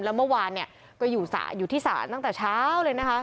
แล้วเมื่อวานเนี่ยก็อยู่ที่ศาลตั้งแต่เช้าเลยนะคะ